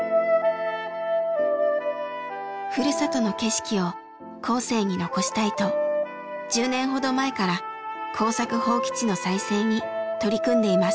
ふるさとの景色を後世に残したいと１０年ほど前から耕作放棄地の再生に取り組んでいます。